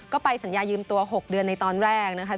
ก็ไปสัญญายืมตัว๖เดือนในตอนแรกนะคะ